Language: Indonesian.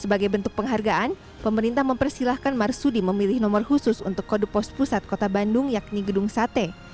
sebagai bentuk penghargaan pemerintah mempersilahkan marsudi memilih nomor khusus untuk kode pos pusat kota bandung yakni gedung sate